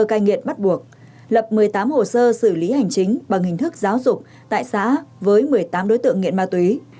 cai nghiện bắt buộc lập một mươi tám hồ sơ xử lý hành chính bằng hình thức giáo dục tại xã với một mươi tám đối tượng nghiện ma túy